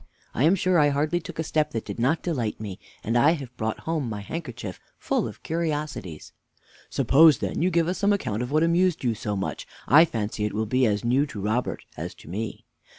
I am sure I hardly took a step that did not delight me, and I have brought home my handkerchief full of curiosities. Mr. A. Suppose, then, you give us some account of what amused you so much. I fancy it will be as new to Robert as to me.